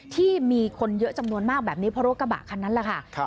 ที่มีคนเยอะจำนวนมากแบบนี้เพราะรถกระบะคันนั้นแหละค่ะ